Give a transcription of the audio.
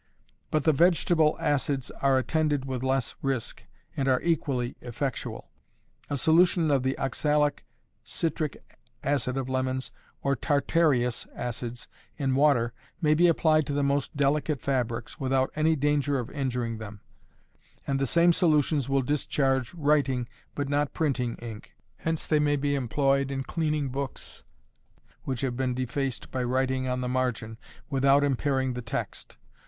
But the vegetable acids are attended with less risk, and are equally effectual. A solution of the oxalic, citric (acid of lemons), or tartareous acids in water may be applied to the most delicate fabrics, without any danger of injuring them; and the same solutions will discharge writing but not printing ink. Hence they may be employed in cleaning books which have been defaced by writing on the margin, without impairing the text.